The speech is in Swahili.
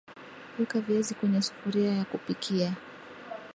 Weka viazi kwenye sufuria ya kupikia